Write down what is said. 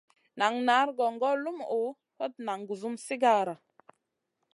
Nan nari gongor lumuʼu, hot nan gusum sigara.